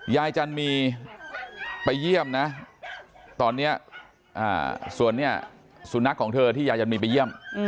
ยายจันมีไปเยี่ยมนะตอนนี้สุนัขของเธอที่ยายจันมีไปเยี่ยม